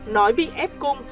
nói bị ép cung